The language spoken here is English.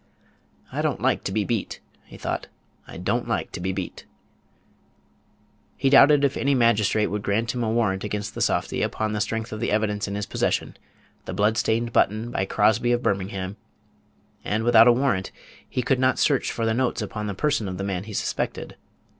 "I don't like to be beat," he thought, "I don't like to be beat." He doubted if any magistrate would grant him a warrant against the softy upon the strength of the evidence in his possession the blood stained button by Crosby of Birmingham; and without a warrant he could not search for the notes upon the person of the man he suspected.